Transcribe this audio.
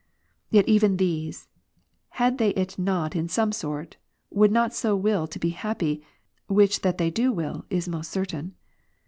Yet even these, had they it not in some sort, would not so will to be happy, which that they do will, is most certain.